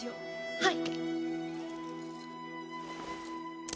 はい。